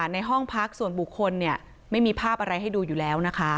ในห้องพักส่วนบุคคลไม่มีภาพอะไรให้ดูอยู่แล้วนะคะ